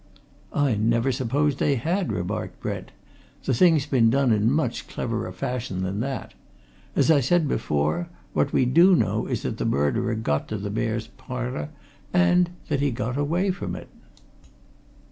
"I never supposed they had," remarked Brent. "The thing's been done in much cleverer fashion than that! As I said before, what we do know is that the murderer got to the Mayor's Parlour, and that he got away from it!"